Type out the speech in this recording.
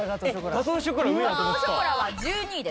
ガトーショコラは１２位です。